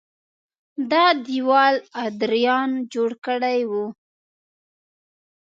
دا دېوال ادریان جوړ کړی و